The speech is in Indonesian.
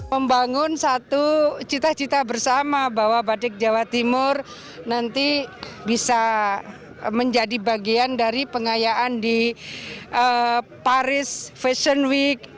membangun satu cita cita bersama bahwa batik jawa timur nanti bisa menjadi bagian dari pengayaan di paris fashion week